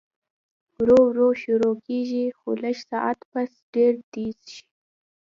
ورو ورو شورو کيږي خو لږ ساعت پس ډېر تېز شي